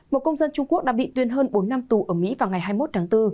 một công dân trung quốc đã bị tuyên hơn bốn năm tù ở mỹ vào ngày hai mươi một tháng bốn